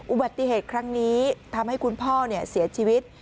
อุบัติเหตุครั้งนี้ทำให้คุณพ่อเสียชีวิต